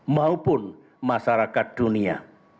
maupun masyarakat dunia